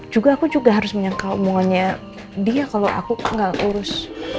juga aku juga harus menyangka omongannya dia kalau aku gak urus